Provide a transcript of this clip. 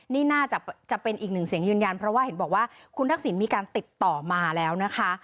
นี่น่าจะเป็นอีกหนึ่งเสียงยืนยันเพราะว่าเห็นบอกว่าคุณทักษิณมีการติดต่อมาแล้วนะคะ